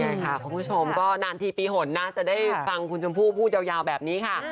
ใช่ค่ะคุณผู้ชมก็นานทีปีหนนะจะได้ฟังคุณชมพู่พูดยาวแบบนี้ค่ะ